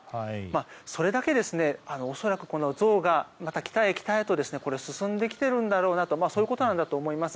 それだけ恐らくゾウがまた北へ北へと進んできているんだろうなとそういうことなんだろうなと思います。